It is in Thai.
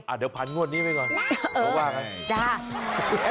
เอาเวลามาทั้งเวลานี้ได้ก่อน